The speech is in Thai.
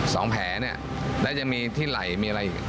สองแผลและยังมีที่ไหลมีอะไรอีก